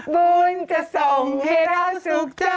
บุญจะส่งให้เราสุขใจ